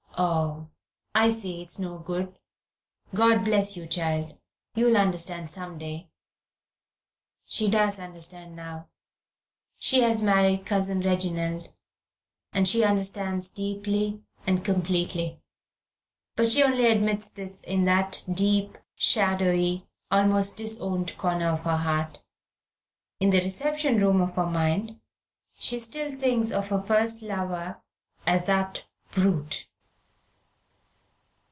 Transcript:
Oh, I see it's no good. God bless you, child: you'll understand some day!" She does understand now; she has married her Cousin Reginald, and she understands deeply and completely. But she only admits this in that deep, shadowy, almost disowned corner of her heart. In the reception room of her mind she still thinks of her first lover as "That Brute!"